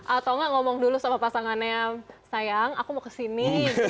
atau gak ngomong dulu sama pasangannya sayang aku mau kesini